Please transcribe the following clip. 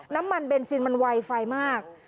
น้ำมันเบนซินมันไวไฟมาก